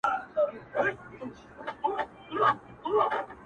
• کله دي زړه ته دا هم تیریږي؟ ,